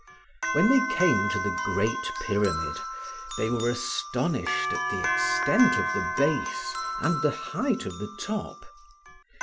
When they came to the Great Pyramid they were astonished at the extent of the base and the height of the top.